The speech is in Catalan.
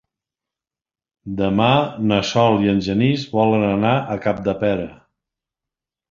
Demà na Sol i en Genís volen anar a Capdepera.